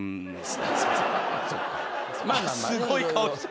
すごい顔して。